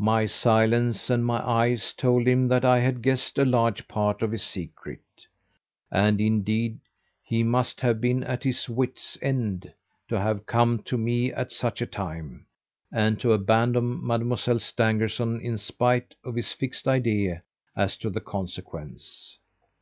My silence and my eyes told him that I had guessed a large part of his secret. And, indeed, he must have been at his wits' end, to have come to me at such a time, and to abandon Mademoiselle Stangerson in spite of his fixed idea as to the consequence.